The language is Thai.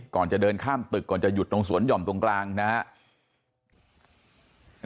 ก่อนจะเดินข้ามตึกก่อนจะหยุดตรงสวนหย่อมตรงกลางนะครับ